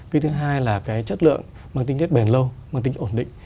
cái thứ hai là cái chất lượng mang tính chất bền lâu mang tính ổn định